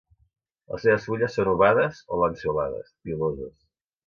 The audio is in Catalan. Les seves fulles són ovades o lanceolades, piloses.